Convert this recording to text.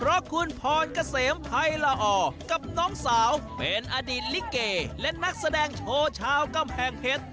เพราะคุณพรเกษมภัยละอกับน้องสาวเป็นอดีตลิเกและนักแสดงโชว์ชาวกำแพงเพชร